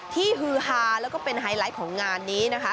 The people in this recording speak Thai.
ที่ฮือฮาและเป็นไฮไลท์ของงานนี้นะคะ